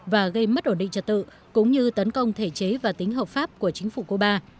và gây mất ổn định trật tự cũng như tấn công thể chế và tính hợp pháp của chính phủ cuba